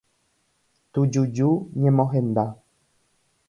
Tujuju ñemohenda.